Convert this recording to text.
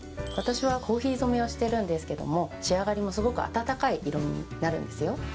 私はコーヒー染めをしてるんですけども仕上がりもすごく暖かい色味になるんですよ。